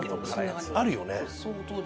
あるよね。